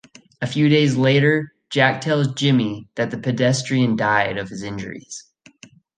A few days later, Jack tells Jimmy that the pedestrian died of his injuries.